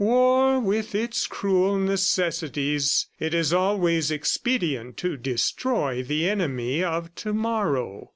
"War with its cruel necessities. ... It is always expedient to destroy the enemy of to morrow."